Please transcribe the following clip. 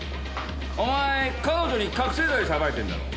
お前彼女に覚せい剤さばいてるんだろ？